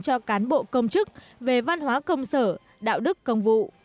cho cán bộ công chức về văn hóa công sở đạo đức công vụ